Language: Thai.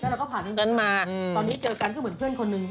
เราก็ผ่านตรงนั้นมาตอนนี้เจอกันก็เหมือนเพื่อนคนนึง